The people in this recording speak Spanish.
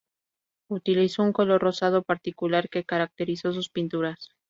Utilizó un color rosado particular que caracterizó sus pinturas.